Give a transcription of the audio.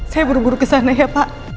saya buru buru ke sana ya pak